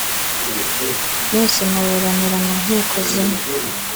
mwese muburanira mu nkiko zimwe